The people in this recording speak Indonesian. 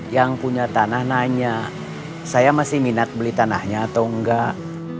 yang punya tanah nanya saya masih minat beli tanahnya atau enggak